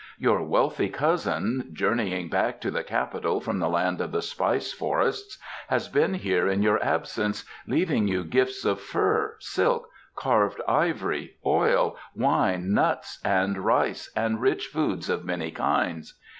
Your wealthy cousin, journeying back to the Capital from the land of the spice forests, has been here in your absence, leaving you gifts of fur, silk, carved ivory, oil, wine, nuts and rice and rich foods of many kinds.